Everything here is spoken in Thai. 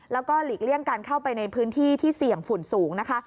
แล้วก็หลีกเลี่ยงการเข้าไปในพื้นที่ที่เสี่ยงฝุ่นสูงนะคะ